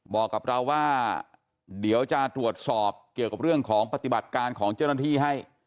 บอกกับเราว่าเดี๋ยวจะตรวจสอบเกี่ยวกับเรื่องของปฏิบัติการของเจ้าหน้าที่ให้